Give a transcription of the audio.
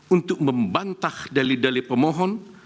untuk membantah dalil dalil pemohon